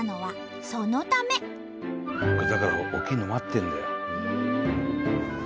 だから起きるの待ってんだよ。